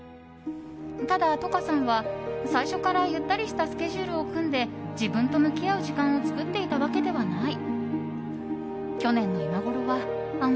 ただ、ｔｏｋａさんは最初から、ゆったりしたスケジュールを組んで自分と向き合う時間を作っていたわけではない。